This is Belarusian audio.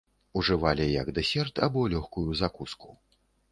Ужывалі як дэсерт або лёгкую закуску.